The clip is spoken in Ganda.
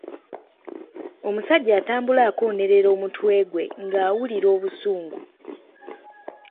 Omusajja atambula akoonerera omutwe gwe ng'awulira obusungu.